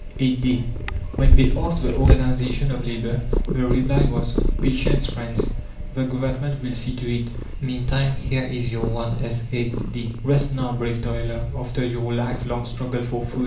a day! When they asked the "Organization of Labour," the reply was: "Patience, friends, the Government will see to it; meantime here is your 1s. 8d. Rest now, brave toiler, after your life long struggle for food!"